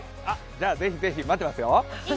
じゃ、ぜひぜひ、待ってますよ。